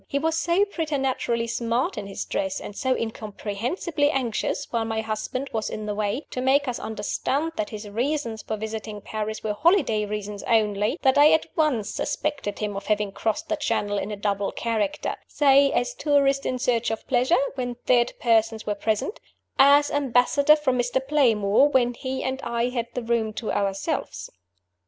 He was so preternaturally smart in his dress, and so incomprehensibly anxious (while my husband was in the way) to make us understand that his reasons for visiting Paris were holiday reasons only, that I at once suspected him of having crossed the Channel in a double character say, as tourist in search of pleasure, when third persons were present; as ambassador from Mr. Playmore, when he and I had the room to ourselves.